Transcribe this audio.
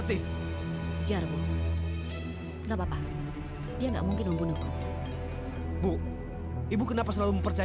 tidak hingga di perjalanan